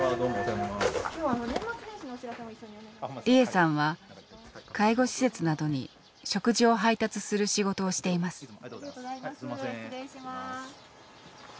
利枝さんは介護施設などに食事を配達する仕事をしています。